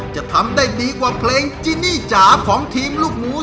จะทำได้ดีกว่าเพลงจินี่จ๋าของทีมลูกหมู